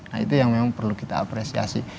nah itu yang memang perlu kita apresiasi